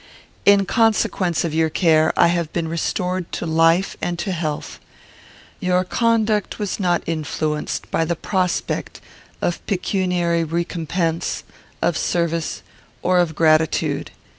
In consequence of your care, I have been restored to life and to health. Your conduct was not influenced by the prospect of pecuniary recompense, of service, or of gratitude.